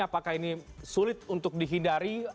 apakah ini sulit untuk dihindari